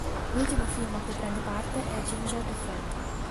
L'ultimo film a cui prende parte è "Ginger e Fred".